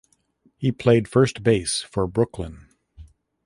He played first base for Brooklyn.